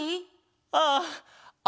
ああ。